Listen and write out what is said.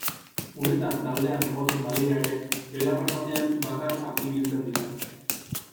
Uretan taldean egoten badira ere, belarra jatean bakarka ibiltzen dira.